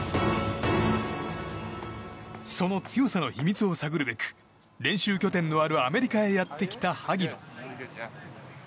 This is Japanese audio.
その強さの秘密を探るべく練習拠点のあるアメリカへやってきた萩野。